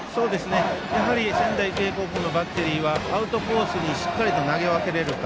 やはり仙台育英高校のバッテリーはアウトコースにしっかりと投げ分けられるか。